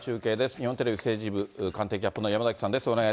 日本テレビ政治部官邸キャップの山崎さんです。